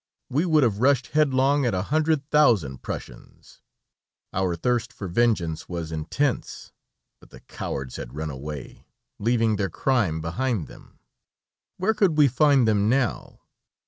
We would have rushed headlong at a hundred thousand Prussians. Our thirst for vengeance was intense but the cowards had run away, leaving their crime behind them. Where could we find them now?